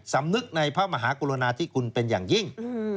สำนึกในพระมหากรุณาที่คุณเป็นอย่างยิ่ง